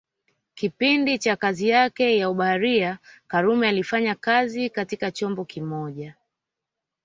Kipindi cha kazi yake ya ubaharia karume alifanya kazi katika chombo kimoja